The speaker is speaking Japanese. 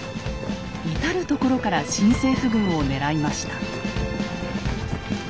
至る所から新政府軍を狙いました。